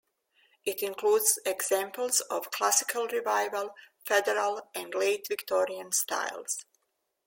It includes examples of Classical Revival, Federal, and Late Victorian styles.